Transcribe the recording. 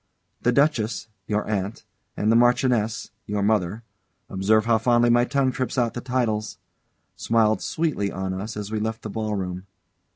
The Duchess, your aunt, and the Marchioness, your mother observe how fondly my tongue trips out the titles smiled sweetly on us as we left the ball room.